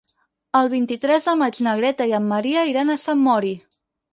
El vint-i-tres de maig na Greta i en Maria iran a Sant Mori.